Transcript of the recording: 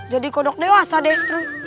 jadi kodok dewasa deh